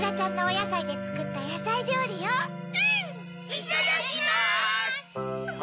いただきます！